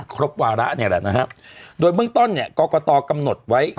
ครบวาระเนี่ยแหละนะฮะโดยเบื้องต้นเนี่ยกรกตกำหนดไว้